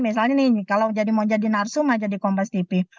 misalnya nih kalau mau jadi narsum mau jadi kompas tv